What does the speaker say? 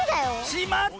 しまった！